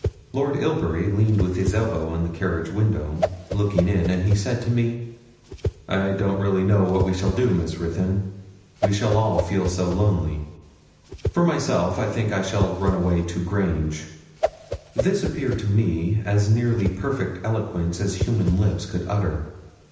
Lord Ilbury leaned with his elbow on the carriage window, looking in, and he said to me 'I really don't know what we shall do, Miss Ruthyn; we shall all feel so lonely. For myself, I think I shall run away to Grange.' This appeared to me as nearly perfect eloquence as human lips could utter.